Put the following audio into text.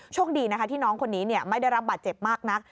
โชคดีนะคะที่น้องคนนี้ไม่ได้รับบาดเจ็บมากนัก